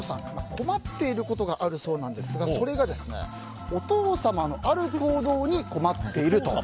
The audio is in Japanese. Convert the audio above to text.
困っていることがあるそうなんですがそれが、お父様のある行動に困っていると。